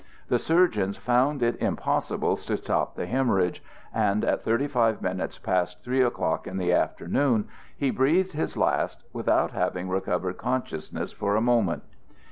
The surgeons found it impossible to stop the hemorrhage, and at thirty five minutes past three o'clock in the afternoon he breathed his last without having recovered consciousness for a moment.